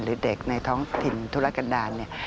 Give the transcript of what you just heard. หรือเด็กในท้องถิ่นทุรกันดาล